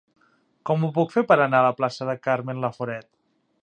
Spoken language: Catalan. Com ho puc fer per anar a la plaça de Carmen Laforet?